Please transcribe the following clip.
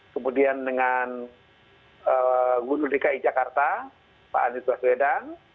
kemudian dengan guru dki jakarta pak andries baswedan